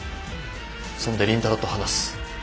そんで倫太郎と話す。